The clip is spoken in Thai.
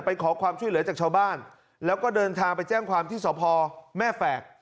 ขอความช่วยเหลือจากชาวบ้านแล้วก็เดินทางไปแจ้งความที่สพแม่แฝก